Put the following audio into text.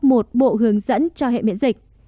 một bộ hướng dẫn cho hệ miễn dịch